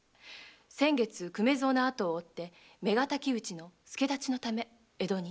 先月粂蔵のあとを追って妻敵討ちの助太刀のため江戸に。